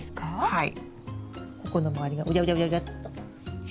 はい。